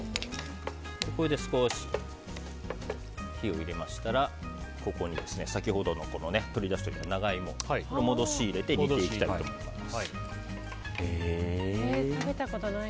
これで少し火を入れましたらここに先ほどの取り出した長イモを戻し入れて炒めていきます。